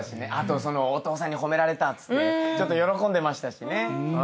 あとお父さんに褒められたってちょっと喜んでましたしね。